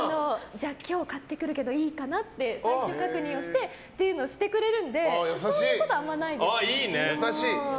じゃあ今日買ってくるけどいいかなって最終確認というのをしてくれるのでそういうことはあまりないです。